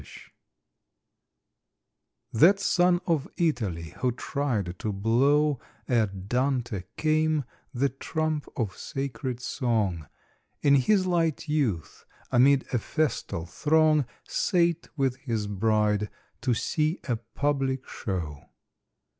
_ That son of Italy who tried to blow, Ere Dante came, the trump of sacred song, In his light youth amid a festal throng Sate with his bride to see a public show.